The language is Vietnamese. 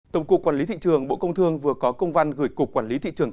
tổng cục quản lý thị trường bộ công thương vừa có công văn gửi cục quản lý thị trường